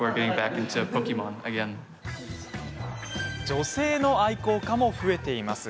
女性の愛好家も増えています。